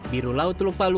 biru laut teluk palu